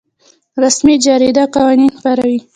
رسمي جریده قوانین خپروي